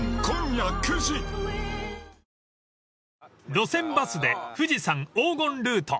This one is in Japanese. ［路線バスで富士山黄金ルート！］